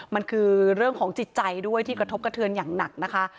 มันคือเรื่องของจิตใจด้วยที่กระทบกระเทือนอย่างหนักนะคะ